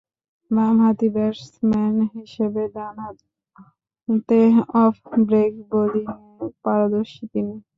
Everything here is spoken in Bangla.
বামহাতি ব্যাটসম্যান হিসেবে ডানহাতে অফ ব্রেক বোলিংয়ে পারদর্শী তিনি।